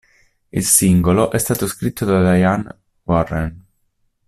Il singolo è stato scritto da Diane Warren.